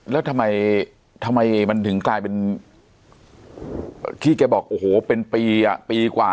แล้วทำไมทำไมมันถึงกลายเป็นที่แกบอกโอ้โหเป็นปีอ่ะปีกว่า